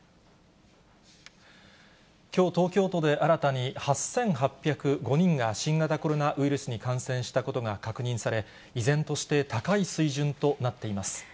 きょう、東京都で、新たに８８０５人が新型コロナウイルスに感染したことが確認され、依然として高い水準となっています。